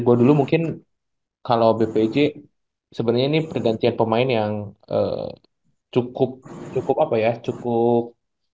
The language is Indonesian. bahwa dulu mungkin kalau bpj sebenarnya ini pergantian pemain yang cukup apa ya cukup